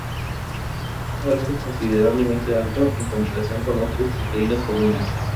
Este valor es considerablemente alto en comparación con otras proteínas comunes.